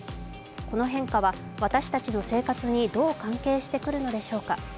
この変化は私たちの生活にどう関係してくるのでしょうか。